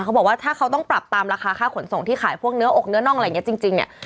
เขาบอกว่าถ้าเขาต้องปรับตามราคาค่าขนส่งที่ขายพวกเนื้ออกเนื้อน่องอะไรอย่างนี้จริงเนี่ย